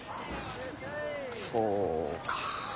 そうか。